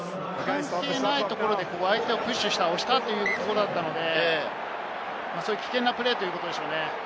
関係ないところで相手を押したということだったので、危険なプレーということでしょうね。